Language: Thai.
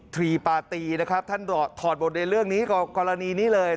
ฆรีปาตีท่านด่อทอดโบสถ์ในเรื่องนี้เลย